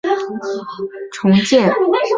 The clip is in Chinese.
通济街东段有国家级文物北宋代舍利塔重建。